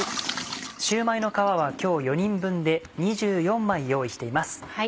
シューマイの皮は今日４人分で２４枚用意しています。